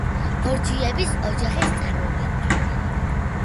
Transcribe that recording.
ბორჯიების ოჯახის წარმომადგენელი.